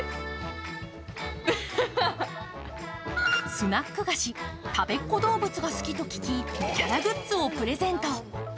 スナック菓子・たべっ子どうぶつが好きだと聞き、キャラグッズをプレゼント。